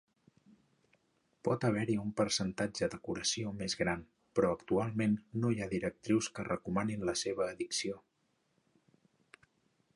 Pot haver-hi un percentatge de curació més gran, però actualment no hi ha directrius que recomanin la seva addició.